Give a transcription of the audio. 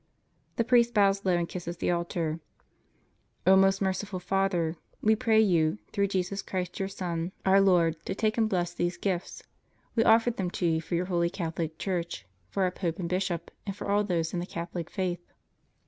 ] The priest bows low and kisses the altar. O most merciful Father, we pray You, through Jesus Christ, Your Son, Our Lord, to take and bless these gifts. We offer them to You for Your holy Catholic Church, for our Pope and Bishop and for all those in the Catholic Faith.